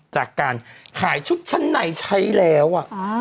จากการขายชุดชั้นในใช้แล้ว